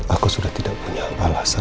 aku sudah tidak punya balasan